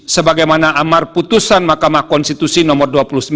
sebagaimana amar putusan mahkamah konstitusi nomor dua puluh sembilan